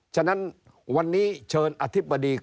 ฉะนั้นวันนี้เชิญอธิบดี